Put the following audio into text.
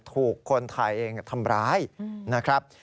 ถูกคนถ่ายเองทำร้ายนะครับ